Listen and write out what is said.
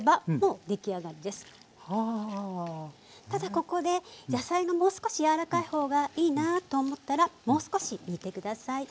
ただここで野菜がもう少しやわらかい方がいいなと思ったらもう少し煮て下さい。